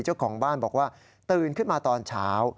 เจ้าของบ้านบอกว่าตื่นขึ้นมาตอนเช้า